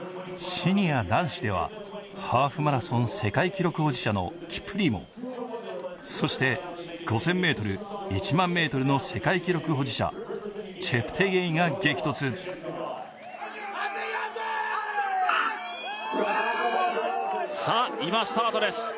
シニア男子ではハーフマラソン世界記録保持者のキプリモそして５０００ｍ１００００ｍの世界記録保持者チェプテゲイが激突さあ今スタートです